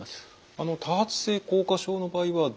あの多発性硬化症の場合はどうするんでしょうか？